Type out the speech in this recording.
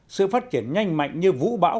sự phát triển nhanh mạnh như vũ bão